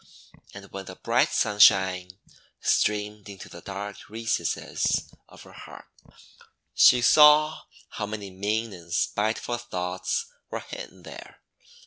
And when the bright sunshine streamed into the dark recesses of her heart, she saw how many mean and spiteful thoughts were hidden there.